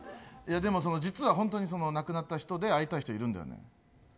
でも、実は本当に亡くなった人で会いたい人がいるんだよね。